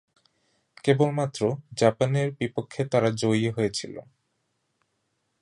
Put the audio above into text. কেবলমাত্র জাপানের বিপক্ষে তারা জয়ী হয়েছিল।